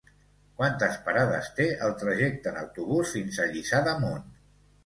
Quantes parades té el trajecte en autobús fins a Lliçà d'Amunt?